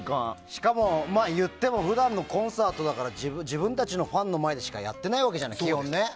しかも普段のコンサートって自分たちのファンの前でしかやってないわけじゃん、基本ね。